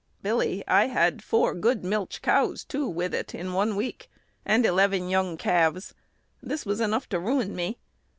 Billy, I had four good milch cows, too, with it in one week, and eleven young calves. This was enough to run me.